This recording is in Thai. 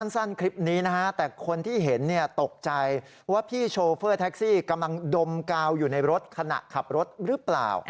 สั้นคลิปนี้นะฮะแต่คนที่เห็นตกใจว่าพี่โชเฟอร์แท็กซี่กำลังดมกาวอยู่ในรถขณะขับรถหรือเปล่า